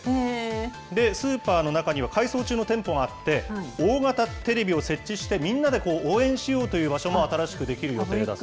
スーパーの中には改装中の店舗があって、大型テレビを設置して、みんなで応援しようという場所も新しく出来る予定だと。